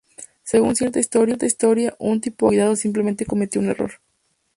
Según cierta historia, un tipógrafo descuidado simplemente cometió un error.